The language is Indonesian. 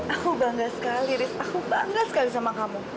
aku bangga sekali ris aku bangga sekali sama kamu